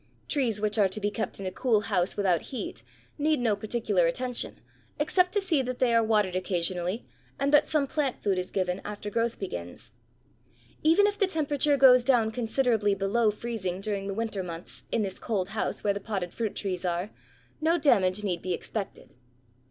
Trees which are to be kept in a cool house without heat need no particular attention except to see that they are watered occasionally and that some plant food is given after growth begins. Even if the temperature goes down considerably below freezing during the winter months in this cold house where the potted fruit trees are, no damage need be expected.